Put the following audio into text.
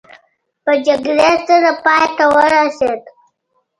په جګړې سره پای ته ورسېده.